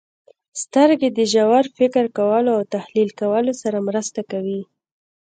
• سترګې د ژور فکر کولو او تحلیل کولو سره مرسته کوي.